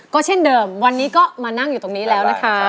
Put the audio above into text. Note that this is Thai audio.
ก็เช่นเดิมวันนี้ก็มานั่งอยู่ตรงนี้แล้วนะคะ